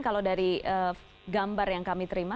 kalau dari gambar yang kami terima